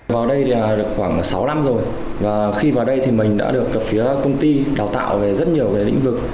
vào đây được khoảng sáu năm rồi và khi vào đây thì mình đã được phía công ty đào tạo về rất nhiều về lĩnh vực